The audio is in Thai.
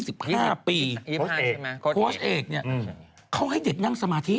๒๕ใช่ไหมโค้ชเอกเนี่ยเขาให้เด็กนั่งสมาธิ